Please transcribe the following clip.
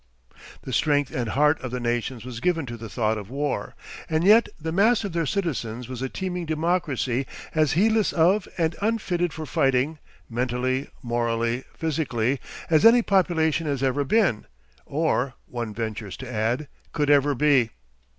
The strength and heart of the nations was given to the thought of war, and yet the mass of their citizens was a teeming democracy as heedless of and unfitted for fighting, mentally, morally, physically, as any population has ever been or, one ventures to add, could ever be.